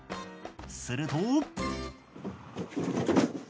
すると。